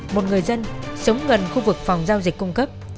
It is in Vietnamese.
một người dân sống gần khu vực phòng giao dịch cung cấp